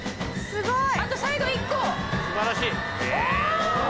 すごい。